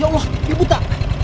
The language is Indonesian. ya allah dia buta